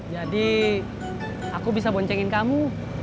jadi aku bisa boncengin kamu